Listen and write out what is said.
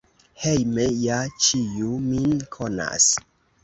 Hejme ja ĉiu min konas.